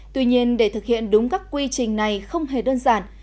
tuy nhiên để thực hiện đúng các quy trình này không hề đơn giản